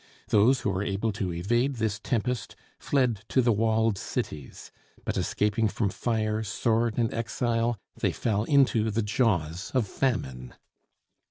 Those who were able to evade this tempest fled to the walled cities: but escaping from fire, sword, and exile, they fell into the jaws of famine.